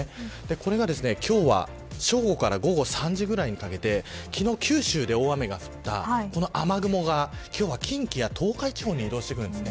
これが今日は正午から午後３時ぐらいにかけて昨日、九州で大雨が降った雨雲が今日は近畿や東海地方に移動してきます。